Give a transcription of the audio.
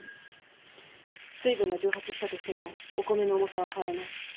水分が蒸発したとしてもお米の重さは変わらない。